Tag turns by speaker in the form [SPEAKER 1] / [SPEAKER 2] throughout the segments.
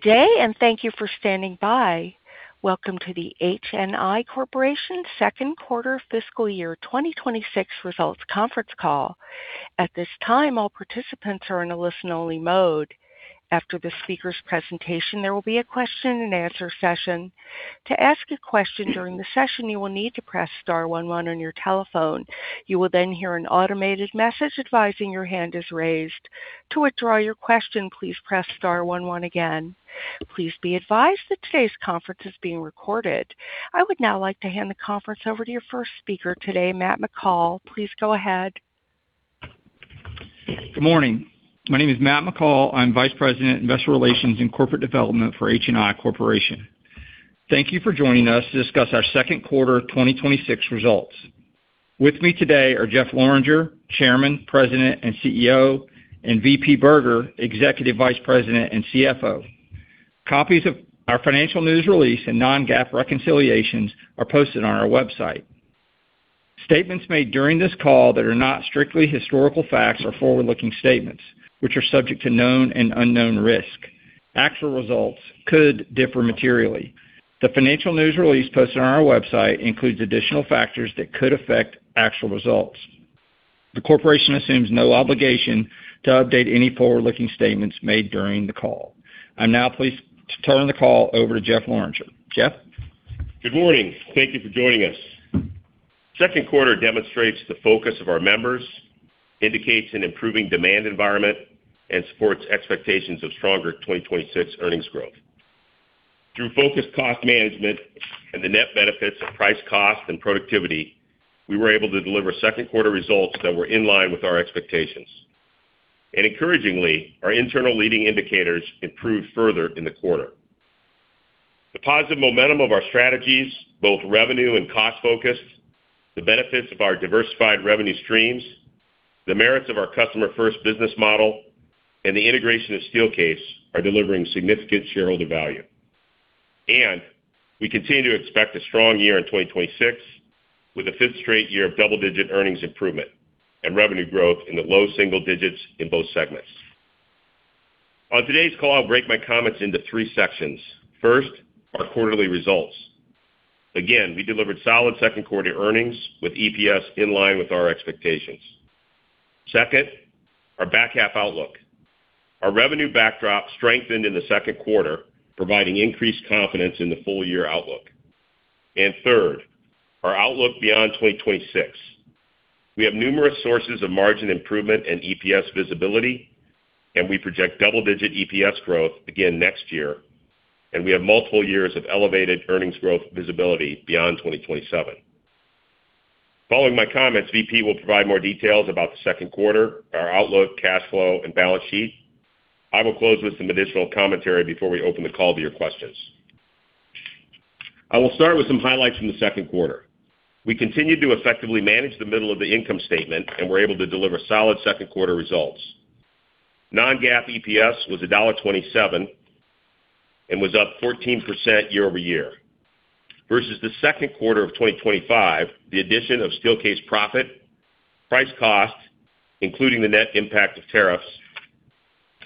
[SPEAKER 1] Good day. Thank you for standing by. Welcome to the HNI Corporation second quarter fiscal year 2026 results conference call. At this time, all participants are in a listen-only mode. After the speaker's presentation, there will be a question-and-answer session. To ask a question during the session, you will need to press star one one on your telephone. You will then hear an automated message advising your hand is raised. To withdraw your question, please press star one one again. Please be advised that today's conference is being recorded. I would now like to hand the conference over to your first speaker today, Matt McCall. Please go ahead.
[SPEAKER 2] Good morning. My name is Matt McCall. I am Vice President, Investor Relations and Corporate Development for HNI Corporation. Thank you for joining us to discuss our second quarter 2026 results. With me today are Jeff Lorenger, Chairman, President, and CEO, and VP Berger, Executive Vice President and CFO. Copies of our financial news release and non-GAAP reconciliations are posted on our website. Statements made during this call that are not strictly historical facts are forward-looking statements, which are subject to known and unknown risk. Actual results could differ materially. The financial news release posted on our website includes additional factors that could affect actual results. The corporation assumes no obligation to update any forward-looking statements made during the call. I am now pleased to turn the call over to Jeff Lorenger. Jeff?
[SPEAKER 3] Good morning. Thank you for joining us. Second quarter demonstrates the focus of our members, indicates an improving demand environment, and supports expectations of stronger 2026 earnings growth. Through focused cost management and the net benefits of price cost and productivity, we were able to deliver second quarter results that were in line with our expectations. Encouragingly, our internal leading indicators improved further in the quarter. The positive momentum of our strategies, both revenue and cost-focused, the benefits of our diversified revenue streams, the merits of our customer-first business model, and the integration of Steelcase are delivering significant shareholder value. We continue to expect a strong year in 2026, with a fifth straight year of double-digit earnings improvement and revenue growth in the low single digits in both segments. On today's call, I will break my comments into three sections. First, our quarterly results. Again, we delivered solid second quarter earnings with EPS in line with our expectations. Second, our back half outlook. Our revenue backdrop strengthened in the second quarter, providing increased confidence in the full-year outlook. Third, our outlook beyond 2026. We have numerous sources of margin improvement and EPS visibility. We project double-digit EPS growth again next year. We have multiple years of elevated earnings growth visibility beyond 2027. Following my comments, VP will provide more details about the second quarter, our outlook, cash flow, and balance sheet. I will close with some additional commentary before we open the call to your questions. I will start with some highlights from the second quarter. We continued to effectively manage the middle of the income statement and were able to deliver solid second quarter results. Non-GAAP EPS was $1.27 and was up 14% year-over-year. Versus the second quarter of 2025, the addition of Steelcase profit, price cost, including the net impact of tariffs,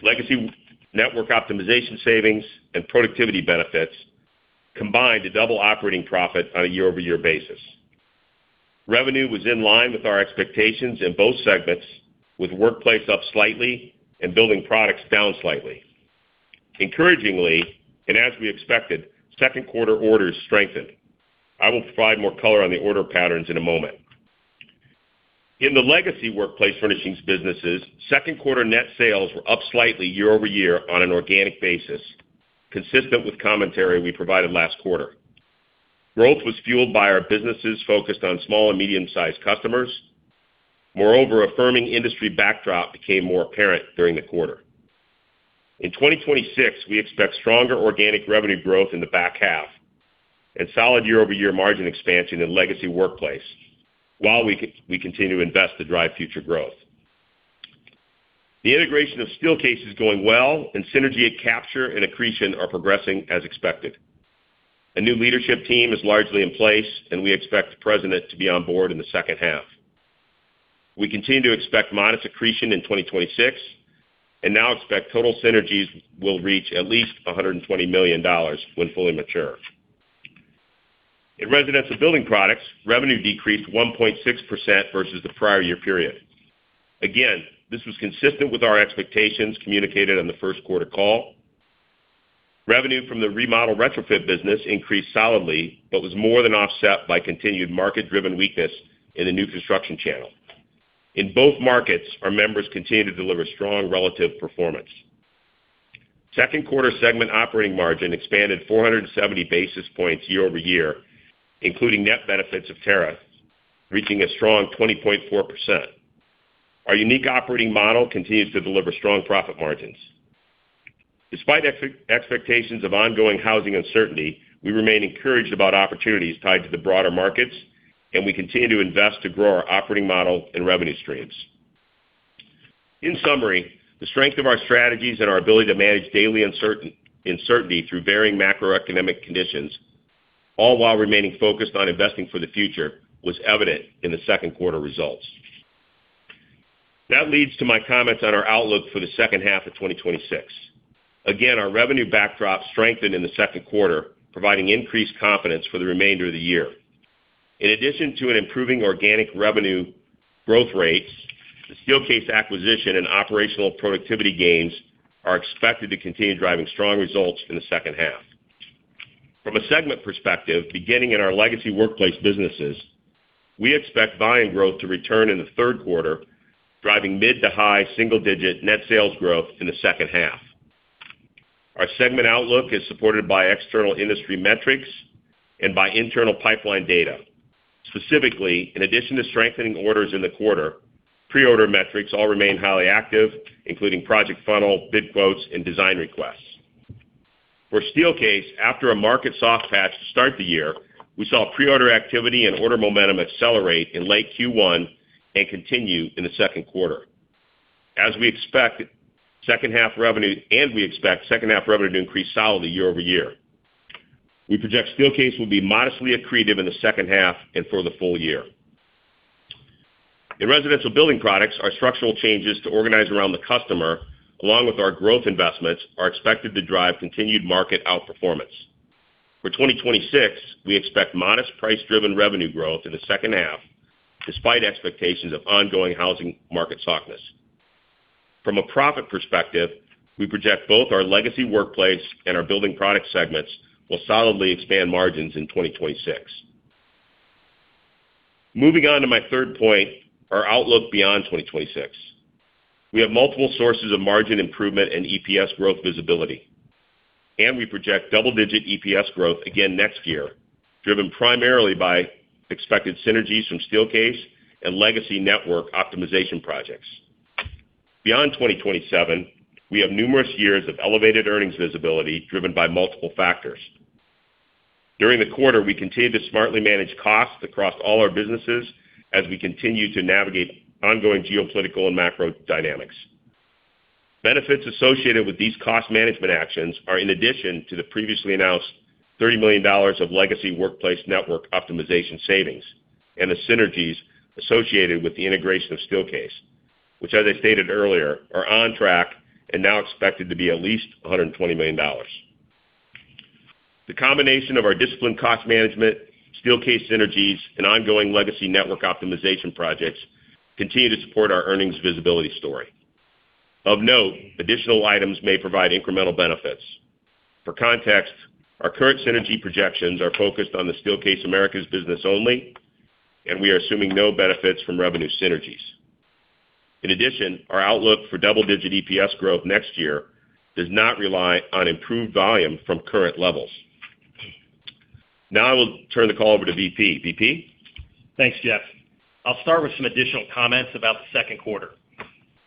[SPEAKER 3] legacy network optimization savings, and productivity benefits combined to double operating profit on a year-over-year basis. Revenue was in line with our expectations in both segments, with Workplace up slightly and Building Products down slightly. Encouragingly, as we expected, second quarter orders strengthened. I will provide more color on the order patterns in a moment. In the legacy Workplace Furnishings businesses, second quarter net sales were up slightly year-over-year on an organic basis, consistent with commentary we provided last quarter. Growth was fueled by our businesses focused on small and medium-sized customers. Affirming industry backdrop became more apparent during the quarter. In 2026, we expect stronger organic revenue growth in the back half and solid year-over-year margin expansion in legacy Workplace while we continue to invest to drive future growth. The integration of Steelcase is going well, and synergy capture and accretion are progressing as expected. A new leadership team is largely in place, and we expect the president to be on board in the second half. We continue to expect modest accretion in 2026 and now expect total synergies will reach at least $120 million when fully mature. In Residential Building Products, revenue decreased 1.6% versus the prior year period. This was consistent with our expectations communicated on the first quarter call. Revenue from the remodel retrofit business increased solidly but was more than offset by continued market-driven weakness in the new construction channel. In both markets, our members continued to deliver strong relative performance. Second quarter segment operating margin expanded 470 basis points year-over-year, including net benefits of tariffs, reaching a strong 20.4%. Our unique operating model continues to deliver strong profit margins. Despite expectations of ongoing housing uncertainty, we remain encouraged about opportunities tied to the broader markets. We continue to invest to grow our operating model and revenue streams. In summary, the strength of our strategies and our ability to manage daily uncertainty through varying macroeconomic conditions, all while remaining focused on investing for the future, was evident in the second quarter results. That leads to my comments on our outlook for the second half of 2026. Our revenue backdrop strengthened in the second quarter, providing increased confidence for the remainder of the year. In addition to improving organic revenue growth rates, the Steelcase acquisition and operational productivity gains are expected to continue driving strong results in the second half. From a segment perspective, beginning in our legacy workplace businesses, we expect volume growth to return in the third quarter, driving mid-to-high single-digit net sales growth in the second half. Our segment outlook is supported by external industry metrics and by internal pipeline data. Specifically, in addition to strengthening orders in the quarter, pre-order metrics all remain highly active, including project funnel, bid quotes, and design requests. For Steelcase, after a market soft patch to start the year, we saw pre-order activity and order momentum accelerate in late Q1 and continue in the second quarter. We expect second half revenue to increase solidly year-over-year. We project Steelcase will be modestly accretive in the second half and for the full year. In Residential Building Products, our structural changes to organize around the customer, along with our growth investments, are expected to drive continued market outperformance. For 2026, we expect modest price-driven revenue growth in the second half, despite expectations of ongoing housing market softness. From a profit perspective, we project both our legacy Workplace and our Building Products segments will solidly expand margins in 2026. Moving on to my third point, our outlook beyond 2026. We have multiple sources of margin improvement and EPS growth visibility. We project double-digit EPS growth again next year, driven primarily by expected synergies from Steelcase and legacy network optimization projects. Beyond 2027, we have numerous years of elevated earnings visibility driven by multiple factors. During the quarter, we continued to smartly manage costs across all our businesses as we continue to navigate ongoing geopolitical and macro dynamics. Benefits associated with these cost management actions are in addition to the previously announced $30 million of legacy Workplace network optimization savings and the synergies associated with the integration of Steelcase, which, as I stated earlier, are on track and now expected to be at least $120 million. The combination of our disciplined cost management, Steelcase synergies, and ongoing legacy network optimization projects continue to support our earnings visibility story. Of note, additional items may provide incremental benefits. For context, our current synergy projections are focused on the Steelcase Americas business only, and we are assuming no benefits from revenue synergies. In addition, our outlook for double-digit EPS growth next year does not rely on improved volume from current levels. Now I will turn the call over to VP. VP?
[SPEAKER 4] Thanks, Jeff. I'll start with some additional comments about the second quarter.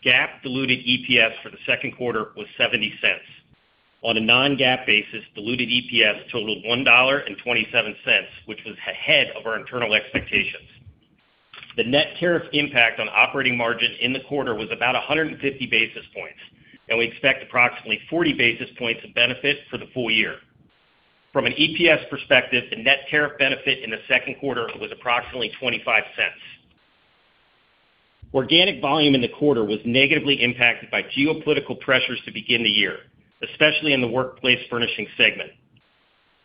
[SPEAKER 4] GAAP diluted EPS for the second quarter was $0.70. On a non-GAAP basis, diluted EPS totaled $1.27, which was ahead of our internal expectations. The net tariff impact on operating margin in the quarter was about 150 basis points, and we expect approximately 40 basis points of benefit for the full year. From an EPS perspective, the net tariff benefit in the second quarter was approximately $0.25. Organic volume in the quarter was negatively impacted by geopolitical pressures to begin the year, especially in the Workplace Furnishings segment.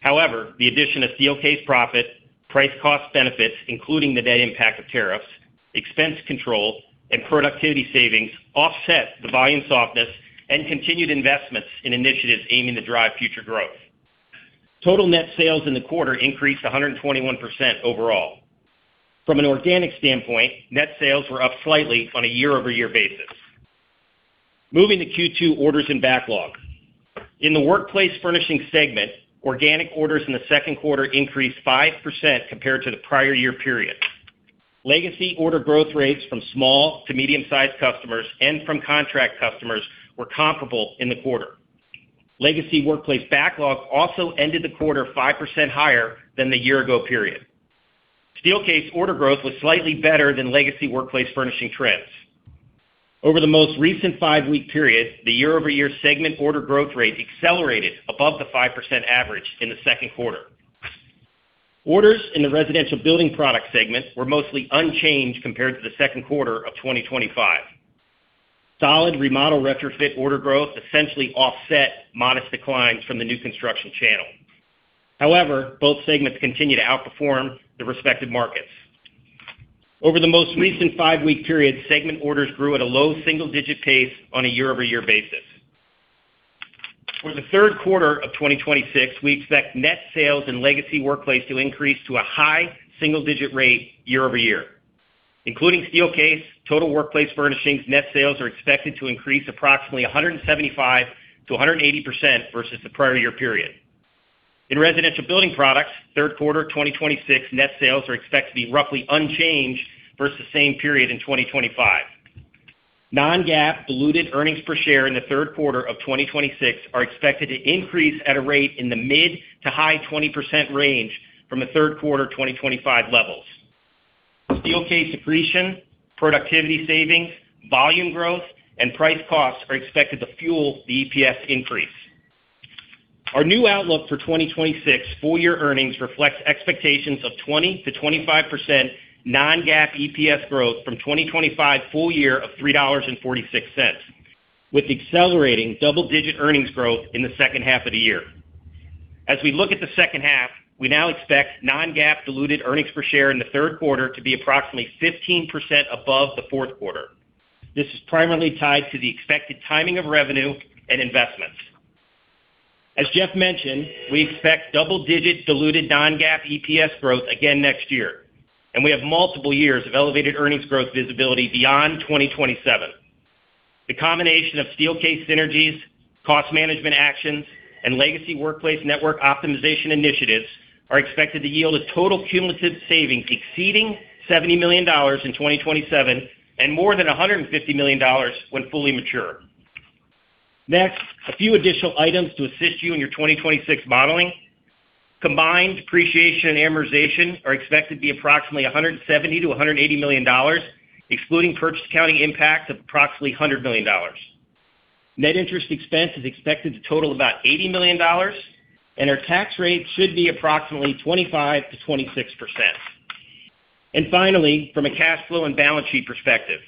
[SPEAKER 4] However, the addition of Steelcase profit, price cost benefits, including the net impact of tariffs, expense control, and productivity savings offset the volume softness and continued investments in initiatives aiming to drive future growth. Total net sales in the quarter increased 121% overall. From an organic standpoint, net sales were up slightly on a year-over-year basis. Moving to Q2 orders and backlog. In the Workplace Furnishings segment, organic orders in the second quarter increased 5% compared to the prior year period. Legacy order growth rates from small to medium-sized customers and from contract customers were comparable in the quarter. Legacy Workplace backlog also ended the quarter 5% higher than the year ago period. Steelcase order growth was slightly better than legacy Workplace Furnishings trends. Over the most recent five-week period, the year-over-year segment order growth rate accelerated above the 5% average in the second quarter. Orders in the Residential Building Products segment were mostly unchanged compared to the second quarter of 2025. Solid remodel retrofit order growth essentially offset modest declines from the new construction channel. However, both segments continue to outperform the respective markets. Over the most recent five-week period, segment orders grew at a low single-digit pace on a year-over-year basis. For the third quarter of 2026, we expect net sales in legacy Workplace to increase to a high single-digit rate year-over-year. Including Steelcase, total Workplace Furnishings net sales are expected to increase approximately 175%-180% versus the prior year period. In Residential Building Products, third quarter 2026 net sales are expected to be roughly unchanged versus same period in 2025. Non-GAAP diluted earnings per share in the third quarter of 2026 are expected to increase at a rate in the mid to high 20% range from the third quarter 2025 levels. Steelcase accretion, productivity savings, volume growth, and price costs are expected to fuel the EPS increase. Our new outlook for 2026 full-year earnings reflects expectations of 20%-25% non-GAAP EPS growth from 2025 full-year of $3.46, with accelerating double-digit earnings growth in the second half of the year. As we look at the second half, we now expect non-GAAP diluted earnings per share in the third quarter to be approximately 15% above the fourth quarter. This is primarily tied to the expected timing of revenue and investments. As Jeff mentioned, we expect double-digit diluted non-GAAP EPS growth again next year, and we have multiple years of elevated earnings growth visibility beyond 2027. The combination of Steelcase synergies, cost management actions, and legacy Workplace network optimization initiatives are expected to yield a total cumulative savings exceeding $70 million in 2027 and more than $150 million when fully mature. A few additional items to assist you in your 2026 modeling. Combined depreciation and amortization are expected to be approximately $170 million-$180 million, excluding purchase accounting impact of approximately $100 million. Net interest expense is expected to total about $80 million, and our tax rate should be approximately 25%-26%. Finally, from a cash flow and balance sheet perspective,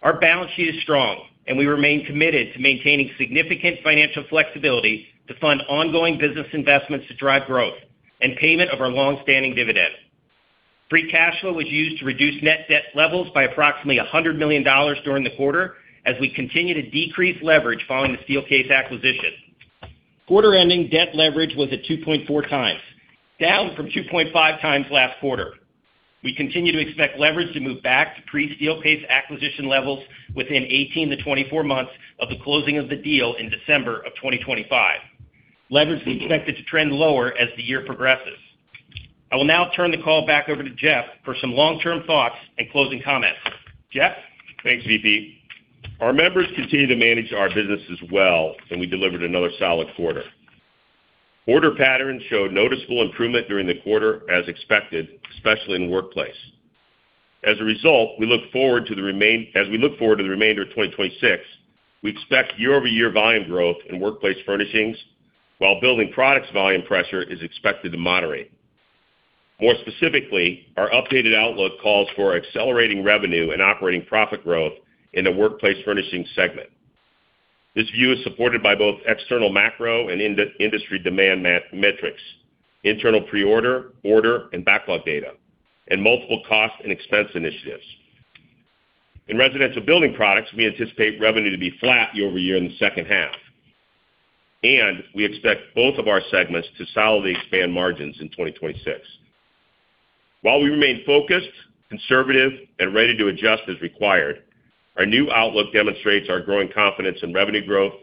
[SPEAKER 4] our balance sheet is strong, and we remain committed to maintaining significant financial flexibility to fund ongoing business investments to drive growth and payment of our longstanding dividend. Free cash flow was used to reduce net debt levels by approximately $100 million during the quarter as we continue to decrease leverage following the Steelcase acquisition. Quarter-ending debt leverage was at 2.4 times, down from 2.5 times last quarter. We continue to expect leverage to move back to pre-Steelcase acquisition levels within 18-24 months of the closing of the deal in December of 2025. Leverage is expected to trend lower as the year progresses. I will now turn the call back over to Jeff for some long-term thoughts and closing comments. Jeff?
[SPEAKER 3] Thanks, VP. Our members continue to manage our businesses well, we delivered another solid quarter. Order patterns showed noticeable improvement during the quarter as expected, especially in Workplace. As we look forward to the remainder of 2026, we expect year-over-year volume growth in Workplace Furnishings, while Building Products volume pressure is expected to moderate. More specifically, our updated outlook calls for accelerating revenue and operating profit growth in the Workplace Furnishings segment. This view is supported by both external macro and industry demand metrics, internal pre-order, order, and backlog data, and multiple cost and expense initiatives. In Residential Building Products, we anticipate revenue to be flat year-over-year in the second half, we expect both of our segments to solidly expand margins in 2026. While we remain focused, conservative, and ready to adjust as required, our new outlook demonstrates our growing confidence in revenue growth,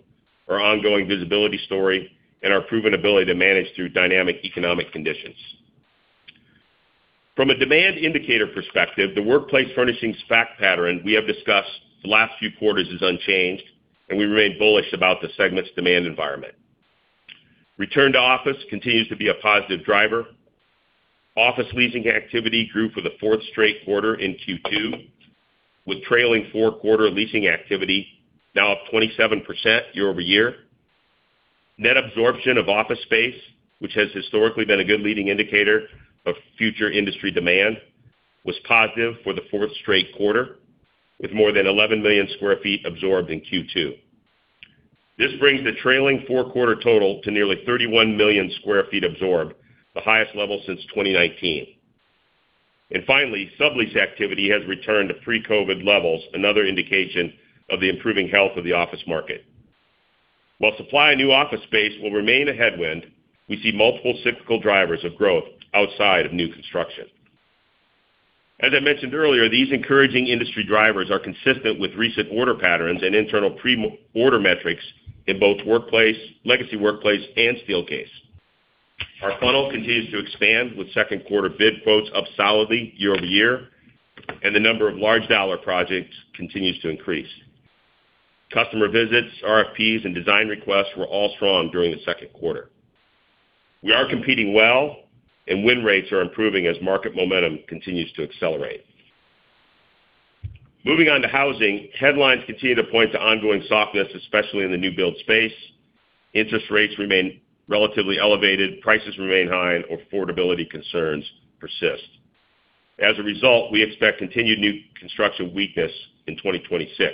[SPEAKER 3] our ongoing visibility story, and our proven ability to manage through dynamic economic conditions. From a demand indicator perspective, the Workplace Furnishings SPAC pattern we have discussed the last few quarters is unchanged, we remain bullish about the segment's demand environment. Return to office continues to be a positive driver. Office leasing activity grew for the fourth straight quarter in Q2, with trailing four-quarter leasing activity now up 27% year-over-year. Net absorption of office space, which has historically been a good leading indicator of future industry demand, was positive for the fourth straight quarter, with more than 11 million square feet absorbed in Q2. This brings the trailing four-quarter total to nearly 31 million square feet absorbed, the highest level since 2019. Finally, sublease activity has returned to pre-COVID levels, another indication of the improving health of the office market. While supply of new office space will remain a headwind, we see multiple cyclical drivers of growth outside of new construction. As I mentioned earlier, these encouraging industry drivers are consistent with recent order patterns and internal pre-order metrics in both Workplace, legacy Workplace, and Steelcase. Our funnel continues to expand with second quarter bid quotes up solidly year-over-year, the number of large dollar projects continues to increase. Customer visits, RFPs, and design requests were all strong during the second quarter. We are competing well, win rates are improving as market momentum continues to accelerate. Moving on to housing. Headlines continue to point to ongoing softness, especially in the new build space. Interest rates remain relatively elevated, prices remain high, and affordability concerns persist. As a result, we expect continued new construction weakness in 2026.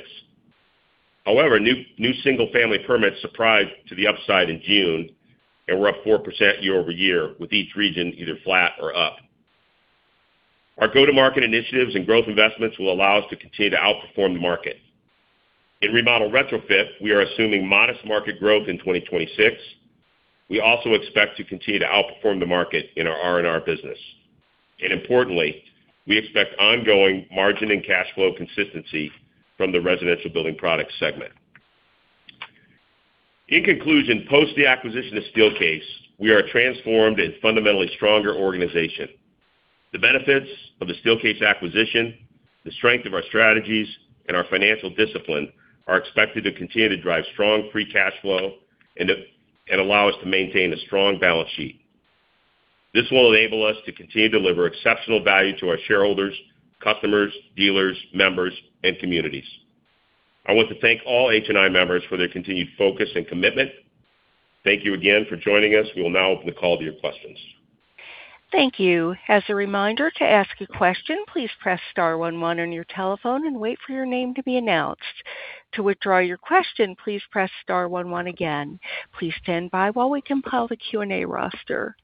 [SPEAKER 3] However, new single-family permits surprised to the upside in June and were up 4% year-over-year, with each region either flat or up. Our go-to-market initiatives and growth investments will allow us to continue to outperform the market. In Remodel & Retrofit, we are assuming modest market growth in 2026. We also expect to continue to outperform the market in our R&R business. Importantly, we expect ongoing margin and cash flow consistency from the Residential Building Products segment. In conclusion, post the acquisition of Steelcase, we are a transformed and fundamentally stronger organization. The benefits of the Steelcase acquisition, the strength of our strategies, and our financial discipline are expected to continue to drive strong free cash flow and allow us to maintain a strong balance sheet. This will enable us to continue to deliver exceptional value to our shareholders, customers, dealers, members, and communities. I want to thank all HNI members for their continued focus and commitment. Thank you again for joining us. We will now open the call to your questions.
[SPEAKER 1] Thank you. As a reminder, to ask a question, please press star one one on your telephone and wait for your name to be announced. To withdraw your question, please press star one one again. Please stand by while we compile the Q&A roster.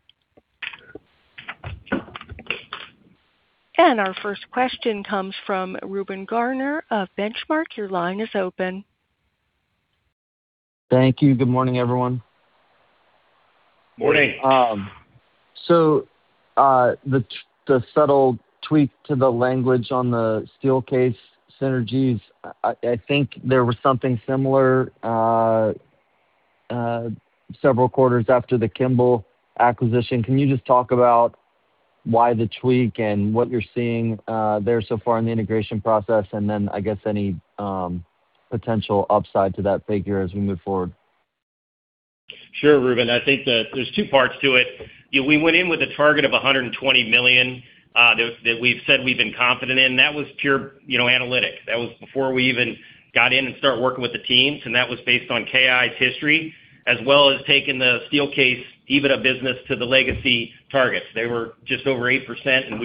[SPEAKER 1] Our first question comes from Reuben Garner of Benchmark. Your line is open.
[SPEAKER 5] Thank you. Good morning, everyone.
[SPEAKER 4] Morning.
[SPEAKER 5] The subtle tweak to the language on the Steelcase synergies, I think there was something similar several quarters after the Kimball acquisition. Can you just talk about why the tweak and what you're seeing there so far in the integration process, and then I guess any potential upside to that figure as we move forward?
[SPEAKER 4] Sure, Reuben. I think that there's two parts to it. We went in with a target of $120 million that we've said we've been confident in. That was pure analytics. That was before we even got in and started working with the teams, and that was based on KI's history, as well as taking the Steelcase EBITDA business to the legacy targets. They were just over 8%, and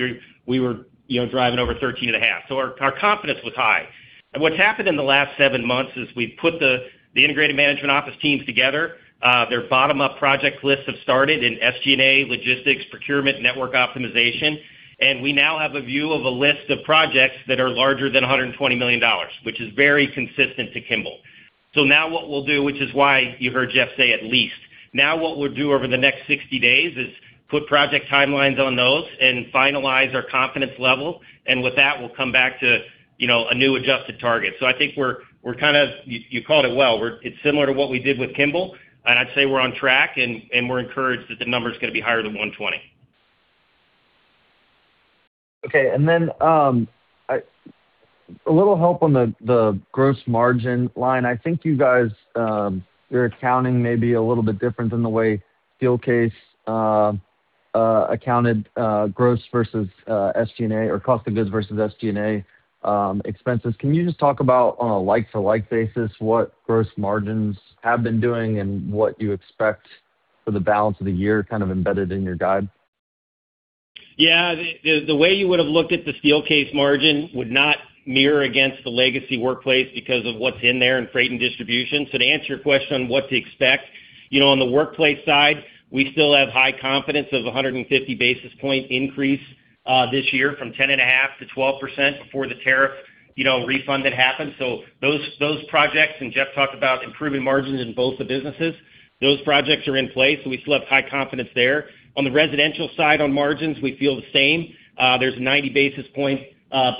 [SPEAKER 4] we were driving over 13.5%. Our confidence was high. What's happened in the last seven months is we've put the integrated management office teams together. Their bottom-up project lists have started in SG&A, logistics, procurement, network optimization, and we now have a view of a list of projects that are larger than $120 million, which is very consistent to Kimball. Now what we'll do, which is why you heard Jeff say, At least, now what we'll do over the next 60 days is put project timelines on those and finalize our confidence level. With that, we'll come back to a new adjusted target. I think you called it well. It's similar to what we did with Kimball, I'd say we're on track and we're encouraged that the number's going to be higher than $120 million.
[SPEAKER 5] Okay, then a little help on the gross margin line. I think you guys, your accounting may be a little bit different than the way Steelcase accounted gross versus SG&A or cost of goods versus SG&A expenses. Can you just talk about, on a like-to-like basis, what gross margins have been doing and what you expect for the balance of the year kind of embedded in your guide?
[SPEAKER 4] Yeah. The way you would've looked at the Steelcase margin would not mirror against the legacy Workplace because of what's in there in freight and distribution. To answer your question on what to expect, on the Workplace side, we still have high confidence of 150 basis point increase this year from 10.5% to 12% before the tariff refund that happened. Those projects, Jeff talked about improving margins in both the businesses. Those projects are in place, we still have high confidence there. On the Residential side, on margins, we feel the same. There's a 90 basis point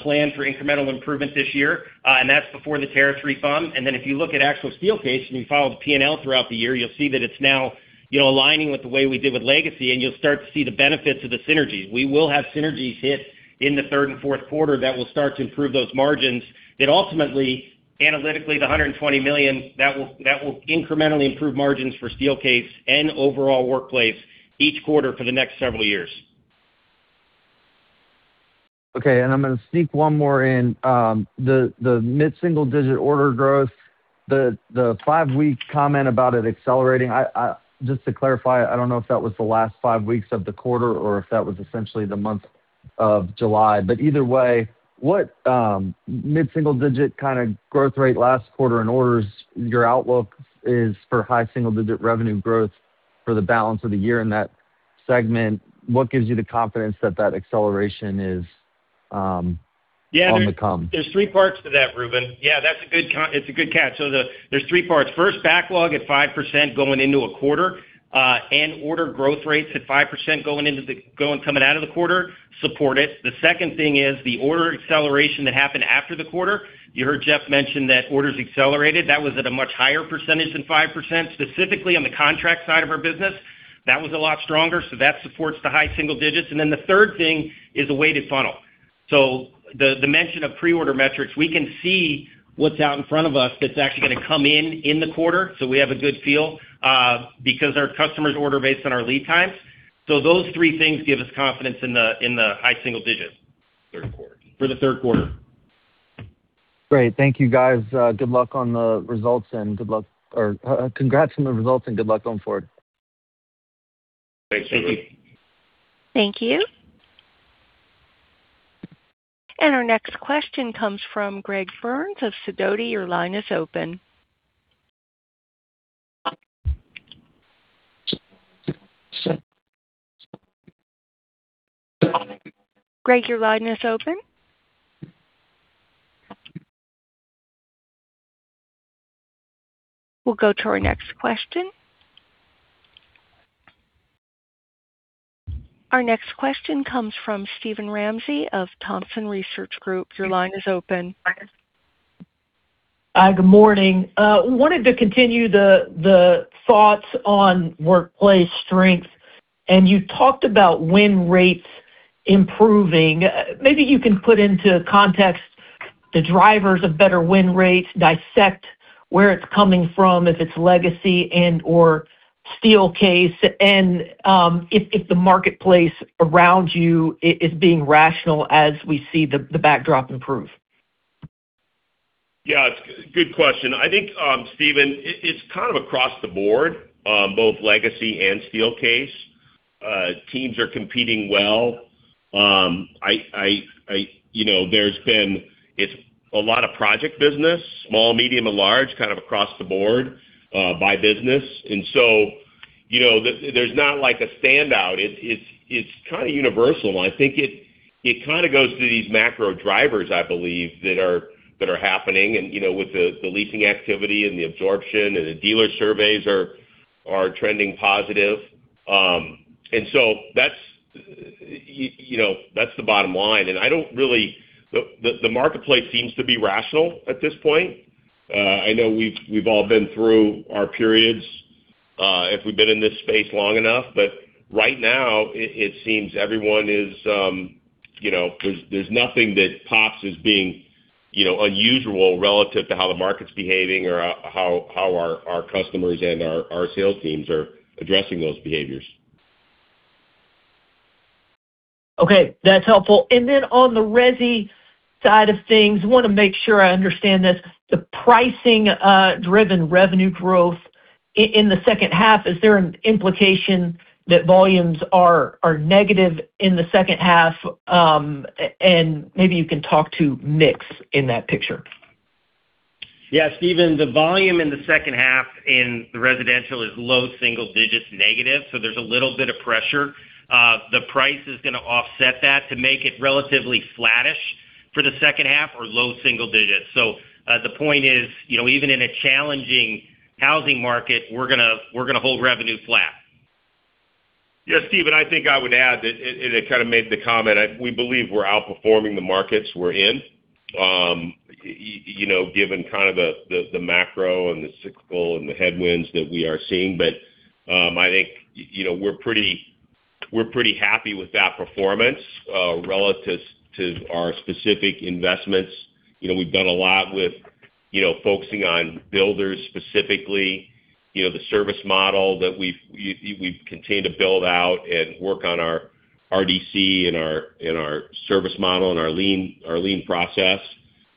[SPEAKER 4] plan for incremental improvement this year, that's before the tariff refund. if you look at actual Steelcase and you follow the P&L throughout the year, you'll see that it's now aligning with the way we did with Legacy, you'll start to see the benefits of the synergies. We will have synergies hit in the third and fourth quarter that will start to improve those margins, that ultimately, analytically, the $120 million, that will incrementally improve margins for Steelcase and overall Workplace each quarter for the next several years.
[SPEAKER 5] Okay, I'm going to sneak one more in. The mid-single digit order growth, the five-week comment about it accelerating, just to clarify, I don't know if that was the last five weeks of the quarter or if that was essentially the month of July. Either way, what mid-single digit kind of growth rate last quarter in orders your outlook is for high single digit revenue growth for the balance of the year in that segment? What gives you the confidence that that acceleration is on the come?
[SPEAKER 4] There's three parts to that, Reuben. Yeah, it's a good catch. There's three parts. First, backlog at 5% going into a quarter, order growth rates at 5% coming out of the quarter support it. The second thing is the order acceleration that happened after the quarter. You heard Jeff mention that orders accelerated. That was at a much higher percentage than 5%, specifically on the contract side of our business. That was a lot stronger, that supports the high single digits. The third thing is the weighted funnel. The mention of pre-order metrics, we can see what's out in front of us that's actually going to come in in the quarter, we have a good feel because our customers order based on our lead times. Those three things give us confidence in the high single digits.
[SPEAKER 3] Third quarter.
[SPEAKER 4] For the third quarter.
[SPEAKER 5] Great. Thank you guys. Congrats on the results and good luck going forward.
[SPEAKER 4] Thanks, Reuben.
[SPEAKER 1] Thank you. Our next question comes from Greg Burns of Sidoti. Your line is open. Greg, your line is open. We'll go to our next question. Our next question comes from Steven Ramsey of Thompson Research Group. Your line is open.
[SPEAKER 6] Hi, good morning. Wanted to continue the thoughts on Workplace strength. You talked about win rates improving. Maybe you can put into context the drivers of better win rates, dissect where it's coming from, if it's legacy and/or Steelcase, and if the marketplace around you is being rational as we see the backdrop improve.
[SPEAKER 3] Yeah, it's a good question. I think, Steven, it's kind of across the board, both Legacy and Steelcase. Teams are competing well. It's a lot of project business, small, medium, and large, kind of across the board by business. There's not a standout. It's kind of universal, and I think it kind of goes to these macro drivers, I believe, that are happening, and with the leasing activity and the absorption, and the dealer surveys are trending positive. That's the bottom line. The marketplace seems to be rational at this point. I know we've all been through our periods, if we've been in this space long enough. Right now, there's nothing that pops as being unusual relative to how the market's behaving or how our customers and our sales teams are addressing those behaviors.
[SPEAKER 6] Okay. That's helpful. On the resi side of things, want to make sure I understand this. The pricing-driven revenue growth in the second half, is there an implication that volumes are negative in the second half? Maybe you can talk to mix in that picture.
[SPEAKER 4] Yeah, Steven, the volume in the second half in the residential is low single digits negative, so there's a little bit of pressure. The price is going to offset that to make it relatively flattish for the second half or low single digits. The point is, even in a challenging housing market, we're going to hold revenue flat.
[SPEAKER 3] Yeah, Steven, I think I would add, and I kind of made the comment, we believe we're outperforming the markets we're in, given kind of the macro and the cyclical and the headwinds that we are seeing. I think we're pretty happy with that performance relative to our specific investments. We've done a lot with focusing on builders specifically, the service model that we've continued to build out and work on our RDC and our service model and our lean process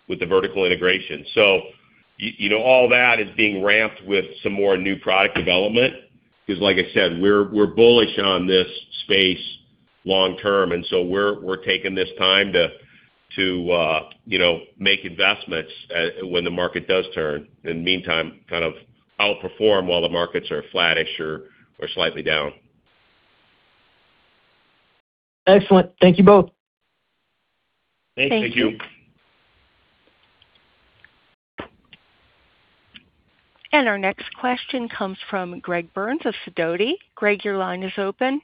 [SPEAKER 3] with the vertical integration. All that is being ramped with some more new product development, because like I said, we're bullish on this space long term. We're taking this time to make investments when the market does turn. In the meantime, kind of outperform while the markets are flattish or slightly down.
[SPEAKER 6] Excellent. Thank you both.
[SPEAKER 4] Thank you.
[SPEAKER 3] Thank you.
[SPEAKER 1] Our next question comes from Greg Burns of Sidoti. Greg, your line is open.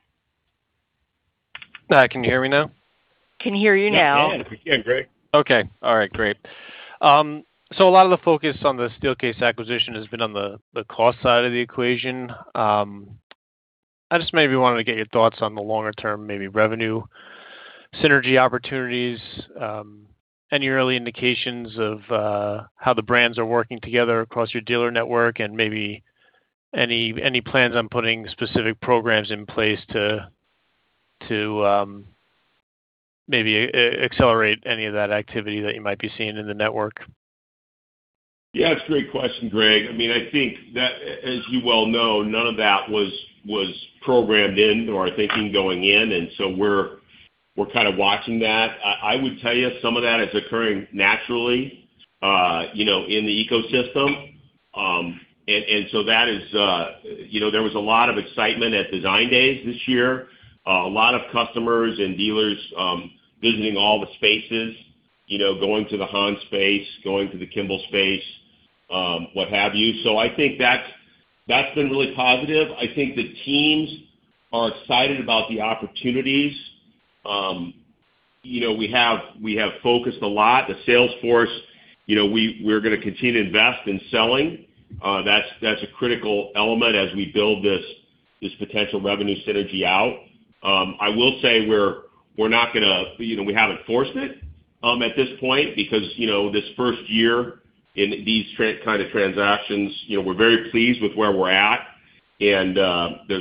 [SPEAKER 7] Hi, can you hear me now?
[SPEAKER 1] Can hear you now.
[SPEAKER 3] We can, Greg.
[SPEAKER 7] Okay. All right, great. A lot of the focus on the Steelcase acquisition has been on the cost side of the equation. I just maybe wanted to get your thoughts on the longer term, maybe revenue synergy opportunities, any early indications of how the brands are working together across your dealer network, and maybe any plans on putting specific programs in place to maybe accelerate any of that activity that you might be seeing in the network?
[SPEAKER 3] Yeah, it's a great question, Greg. I think that, as you well know, none of that was programmed in to our thinking going in, we're kind of watching that. I would tell you some of that is occurring naturally in the ecosystem. There was a lot of excitement at Design Days this year. A lot of customers and dealers visiting all the spaces, going to the HON space, going to the Kimball space, what have you. I think that's been really positive. I think the teams are excited about the opportunities. We have focused a lot, the sales force. We're going to continue to invest in selling. That's a critical element as we build this potential revenue synergy out. I will say we haven't forced it at this point because, this first year in these kind of transactions, we're very pleased with where we're at. There's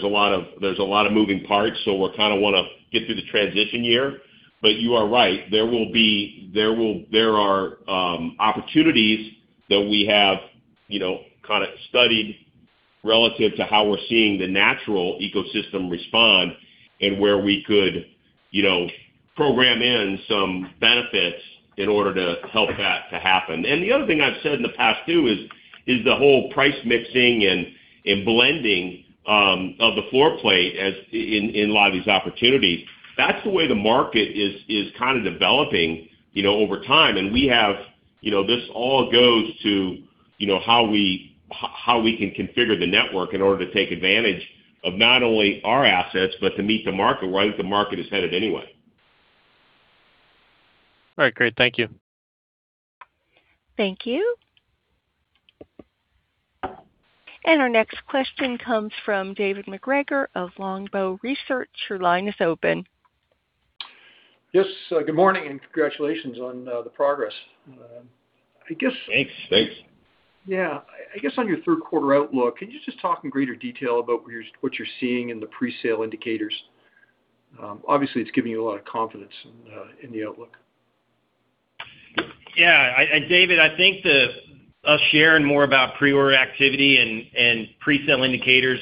[SPEAKER 3] a lot of moving parts, we kind of want to get through the transition year. You are right. There are opportunities that we have kind of studied relative to how we're seeing the natural ecosystem respond and where we could program in some benefits in order to help that to happen. The other thing I've said in the past, too, is the whole price mixing and blending of the floor plate in a lot of these opportunities. That's the way the market is kind of developing over time. This all goes to how we can configure the network in order to take advantage of not only our assets, but to meet the market where the market is headed anyway.
[SPEAKER 7] All right, great. Thank you.
[SPEAKER 1] Thank you. Our next question comes from David MacGregor of Longbow Research. Your line is open.
[SPEAKER 8] Yes. Good morning, congratulations on the progress.
[SPEAKER 3] Thanks.
[SPEAKER 8] Yeah. I guess on your third quarter outlook, can you just talk in greater detail about what you're seeing in the presale indicators? Obviously, it's giving you a lot of confidence in the outlook.
[SPEAKER 4] Yeah. David, I think us sharing more about pre-order activity and pre-sale indicators,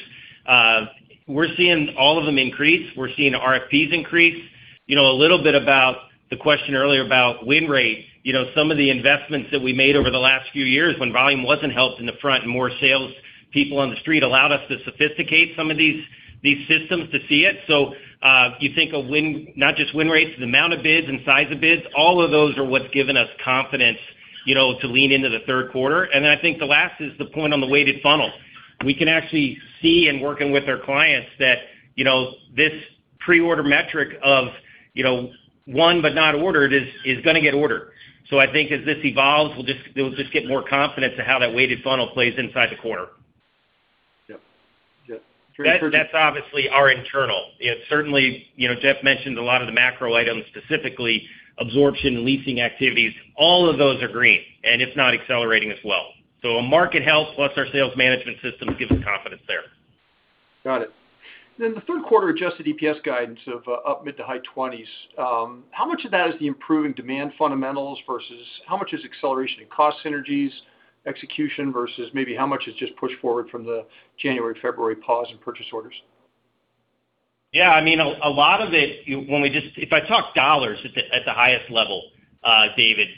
[SPEAKER 4] we're seeing all of them increase. We're seeing RFPs increase. A little bit about the question earlier about win rate. Some of the investments that we made over the last few years when volume wasn't helped in the front, and more salespeople on the street allowed us to sophisticate some of these systems to see it. You think of not just win rates, the amount of bids and size of bids, all of those are what's given us confidence to lean into the third quarter. Then I think the last is the point on the weighted funnel. We can actually see in working with our clients that this pre-order metric of won but not ordered is going to get ordered. I think as this evolves, we'll just get more confidence to how that weighted funnel plays inside the quarter.
[SPEAKER 8] Yep.
[SPEAKER 4] That's obviously our internal. Certainly, Jeff mentioned a lot of the macro items, specifically absorption, leasing activities. All of those are green, and it's not accelerating as well. Market health plus our sales management systems give us confidence there.
[SPEAKER 8] Got it. The third quarter adjusted EPS guidance of up mid to high 20s, how much of that is the improving demand fundamentals versus how much is acceleration in cost synergies execution versus maybe how much is just pushed forward from the January, February pause in purchase orders?
[SPEAKER 4] Yeah. A lot of it, if I talk dollars at the highest level, David,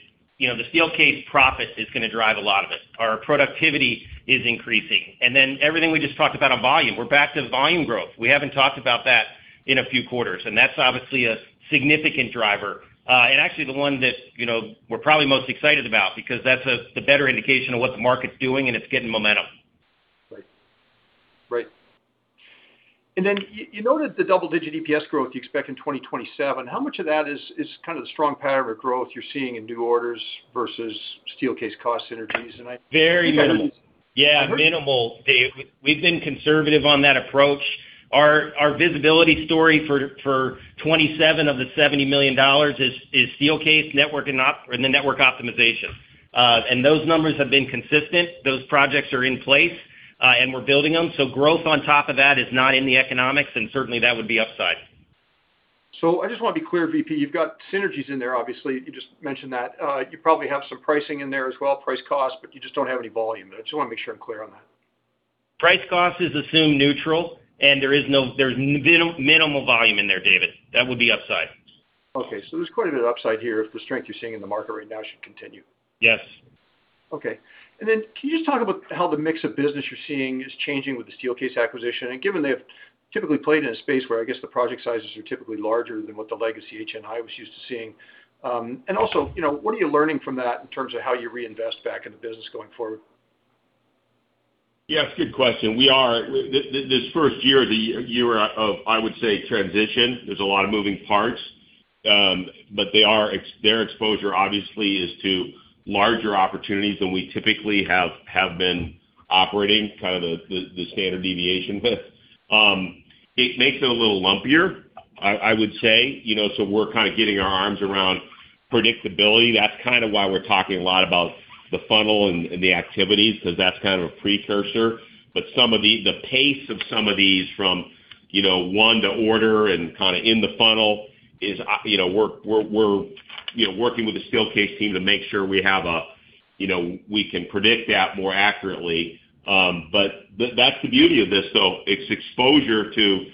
[SPEAKER 4] the Steelcase profit is going to drive a lot of it. Our productivity is increasing. Everything we just talked about on volume, we're back to volume growth. We haven't talked about that in a few quarters, and that's obviously a significant driver. Actually the one that we're probably most excited about because that's the better indication of what the market's doing and it's getting momentum.
[SPEAKER 8] Right. Then you noted the double-digit EPS growth you expect in 2027. How much of that is kind of the strong pattern of growth you're seeing in new orders versus Steelcase cost synergies?
[SPEAKER 4] Very minimal. Yeah, minimal, David. We've been conservative on that approach. Our visibility story for 2027 of the $70 million is Steelcase and the network optimization. Those numbers have been consistent. Those projects are in place, and we're building them. Growth on top of that is not in the economics, and certainly, that would be upside.
[SPEAKER 8] I just want to be clear, VP, you've got synergies in there, obviously. You just mentioned that. You probably have some pricing in there as well, price cost, but you just don't have any volume there. I just want to make sure I'm clear on that.
[SPEAKER 4] Price cost is assumed neutral, and there's minimal volume in there, David. That would be upside.
[SPEAKER 8] Okay. There's quite a bit of upside here if the strength you're seeing in the market right now should continue.
[SPEAKER 4] Yes.
[SPEAKER 8] Okay. Can you just talk about how the mix of business you're seeing is changing with the Steelcase acquisition? Given they have typically played in a space where, I guess, the project sizes are typically larger than what the legacy HNI was used to seeing. What are you learning from that in terms of how you reinvest back in the business going forward?
[SPEAKER 3] Yeah. It's a good question. This first year, the year of, I would say, transition, there's a lot of moving parts. Their exposure, obviously, is to larger opportunities than we typically have been operating, kind of the standard deviation. It makes it a little lumpier, I would say. We're kind of getting our arms around predictability. That's kind of why we're talking a lot about the funnel and the activities, because that's kind of a precursor. The pace of some of these from won to order and kind of in the funnel is we're working with the Steelcase team to make sure we can predict that more accurately. That's the beauty of this, though. It's exposure to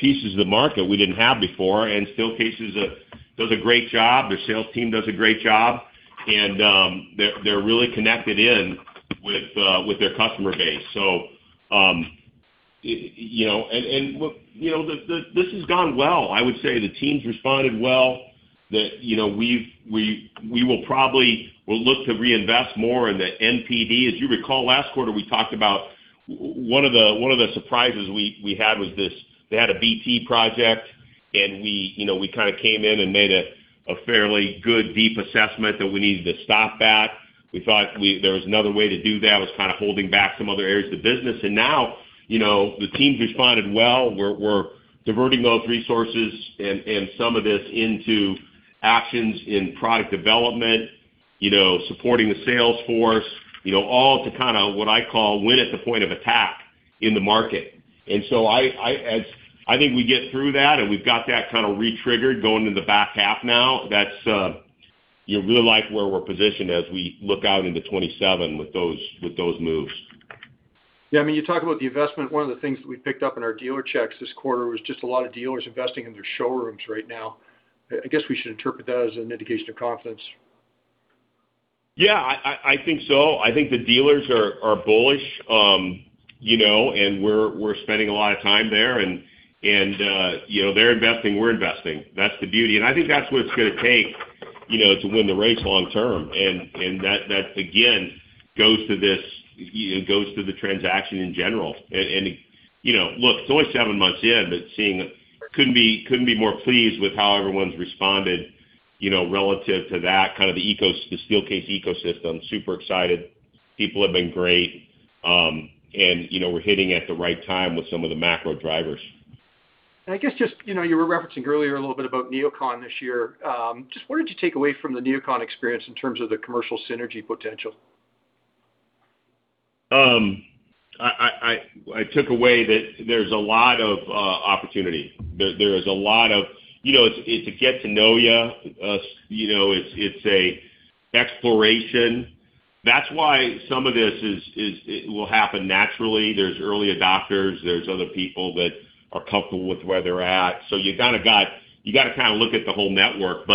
[SPEAKER 3] pieces of the market we didn't have before. Steelcase does a great job. Their sales team does a great job. They're really connected in with their customer base. This has gone well. I would say the team's responded well. That we will probably look to reinvest more in the NPD. As you recall, last quarter, we talked about one of the surprises we had was this, they had a BT project, and we kind of came in and made a fairly good, deep assessment that we needed to stop that. We thought there was another way to do that, was kind of holding back some other areas of the business. The team's responded well. We're diverting those resources and some of this into actions in product development, supporting the sales force, all to kind of what I call win at the point of attack in the market. I think we get through that, and we've got that kind of re-triggered going into the back half now. That's, you really like where we're positioned as we look out into 2027 with those moves.
[SPEAKER 8] Yeah, you talk about the investment. One of the things that we picked up in our dealer checks this quarter was just a lot of dealers investing in their showrooms right now. I guess we should interpret that as an indication of confidence.
[SPEAKER 3] Yeah, I think so. I think the dealers are bullish. We're spending a lot of time there, and they're investing, we're investing. That's the beauty. I think that's what it's going to take to win the race long term. That, again, goes to the transaction in general. Look, it's only seven months in, but couldn't be more pleased with how everyone's responded relative to that, kind of the Steelcase ecosystem, super excited. People have been great. We're hitting at the right time with some of the macro drivers.
[SPEAKER 8] I guess just, you were referencing earlier a little bit about NeoCon this year. Just what did you take away from the NeoCon experience in terms of the commercial synergy potential?
[SPEAKER 3] I took away that there's a lot of opportunity. It's a get-to-know-you. It's a exploration. That's why some of this will happen naturally. There's early adopters, there's other people that are comfortable with where they're at. You got to kind of look at the whole network.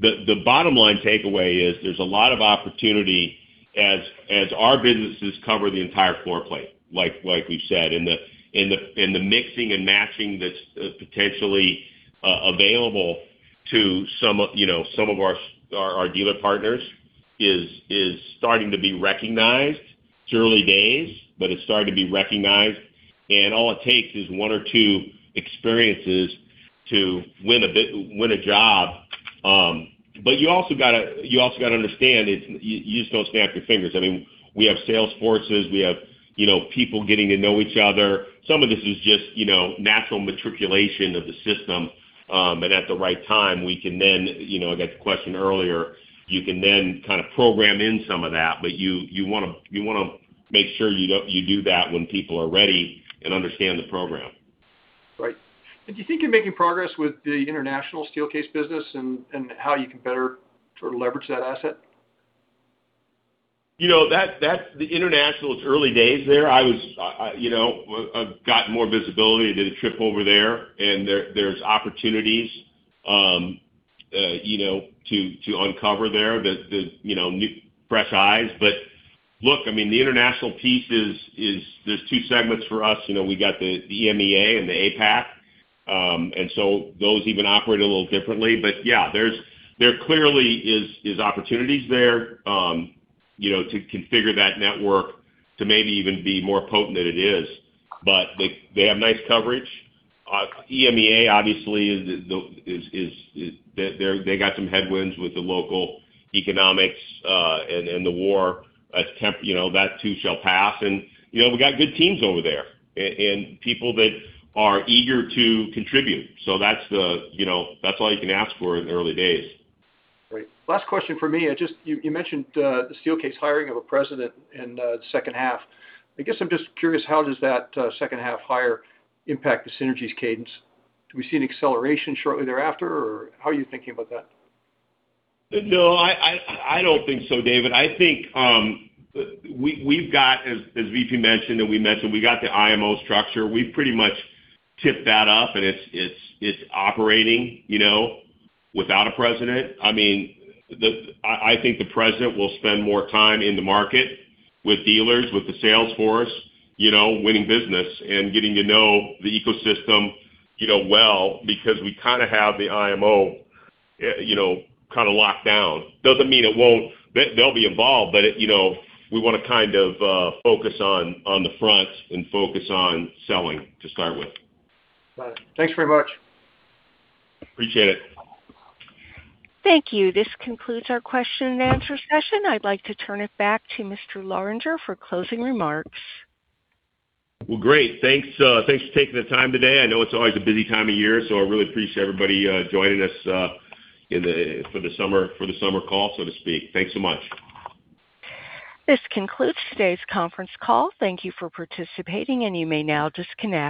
[SPEAKER 3] The bottom line takeaway is there's a lot of opportunity as our businesses cover the entire floor plate, like we've said. The mixing and matching that's potentially available to some of our dealer partners is starting to be recognized. It's early days, but it's starting to be recognized, and all it takes is one or two experiences to win a job. You also got to understand, you just don't snap your fingers. I mean, we have sales forces. We have people getting to know each other. Some of this is just natural matriculation of the system, at the right time, we can then, I got the question earlier, you can then kind of program in some of that. You want to make sure you do that when people are ready and understand the program.
[SPEAKER 8] Right. Do you think you're making progress with the international Steelcase business and how you can better sort of leverage that asset?
[SPEAKER 3] The international, it's early days there. I've got more visibility. I did a trip over there's opportunities to uncover there, the fresh eyes. Look, I mean, the international piece is, there's two segments for us. We got the EMEA and the APAC. Those even operate a little differently. Yeah, there clearly is opportunities there, to configure that network to maybe even be more potent than it is. They have nice coverage. EMEA, obviously, they got some headwinds with the local economics, and the war impact, that too shall pass. We got good teams over there and people that are eager to contribute. That's all you can ask for in the early days.
[SPEAKER 8] Great. Last question from me. You mentioned the Steelcase hiring of a president in the second half. I guess I'm just curious, how does that second half hire impact the synergies cadence? Do we see an acceleration shortly thereafter, or how are you thinking about that?
[SPEAKER 3] I don't think so, David. I think we've got, as VP mentioned and we mentioned, we got the IMO structure. We've pretty much tipped that up and it's operating without a president. I think the president will spend more time in the market with dealers, with the sales force, winning business and getting to know the ecosystem well, because we kind of have the IMO kind of locked down. They'll be involved, but we want to kind of focus on the front and focus on selling to start with.
[SPEAKER 8] Got it. Thanks very much.
[SPEAKER 3] Appreciate it.
[SPEAKER 1] Thank you. This concludes our question-and-answer session. I'd like to turn it back to Mr. Lorenger for closing remarks.
[SPEAKER 3] Well, great. Thanks for taking the time today. I know it's always a busy time of year, so I really appreciate everybody joining us for the summer call, so to speak. Thanks so much.
[SPEAKER 1] This concludes today's conference call. Thank you for participating, and you may now disconnect.